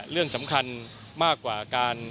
เรื่องสำคัญมากกว่าการ